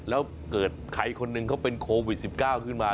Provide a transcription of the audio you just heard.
แล้วเกิดใครคนหนึ่งเขาเป็นโควิด๑๙ขึ้นมา